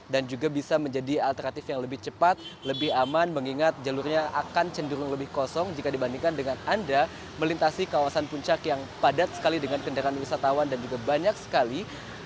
dan juga bisa menjadi alternatif yang lebih cepat lebih aman mengingat jalurnya akan cenderung lebih kosong jika dibandingkan dengan anda melintasi kawasan puncak yang padat sekali dengan kendaraan wisatawan dan juga banyak sekali